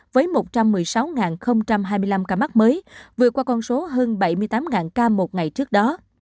với một trăm một mươi sáu hai mươi năm ca mắc mới vượt qua con số hơn bảy mươi tám ca một ngày trước đó